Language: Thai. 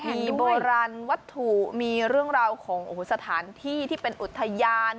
มีโบราณวัตถุมีเรื่องราวของสถานที่ที่เป็นอุทยาน